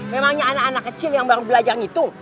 memangnya anak anak kecil yang baru belajar itu